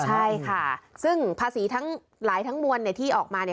ใช่ค่ะซึ่งภาษีทั้งหลายทั้งมวลเนี่ยที่ออกมาเนี่ย